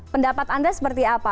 pendapat anda seperti apa